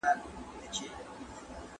د تورو سترګو وه سورخۍ ته مي